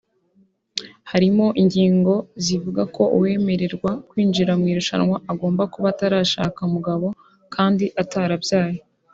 harimo ingingo zivuga ko uwemererwa kwinjira mu irushanwa agomba kuba atarashaka umugabo kandi atarabyaye